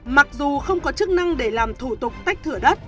mặc dù không có chức năng để làm thủ tục tách thửa đất